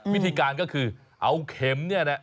วิธีการก็คือเอาเข็มเนี่ยนะ